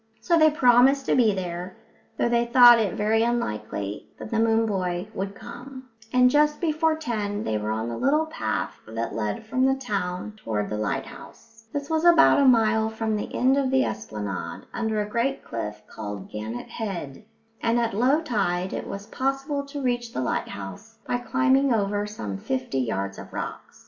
So they promised to be there, though they thought it very likely that the moon boy wouldn't come; and just before ten they were on the little path that led from the town toward the lighthouse. This was about a mile from the end of the esplanade, under a great cliff called Gannet Head, and at low tide it was possible to reach the lighthouse by climbing over some fifty yards of rocks.